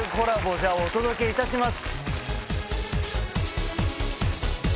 じゃあお届けいたします。